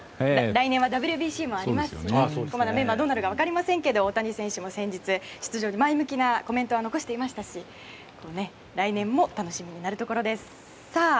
来年はＷＢＣもありますしまだメンバーどうなるか分かりませんが大谷選手も先月出場に前向きなコメントを残していましたし来年も楽しみになるところです。